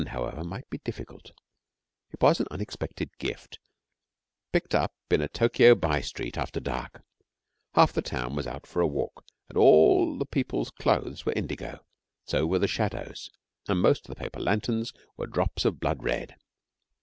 One, however, might be difficult. It was an unexpected gift, picked up in a Tokio bye street after dark. Half the town was out for a walk, and all the people's clothes were indigo, and so were the shadows, and most of the paper lanterns were drops of blood red.